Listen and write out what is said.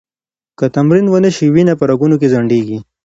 که تمرین ونه شي، وینه په رګونو کې ځنډېږي.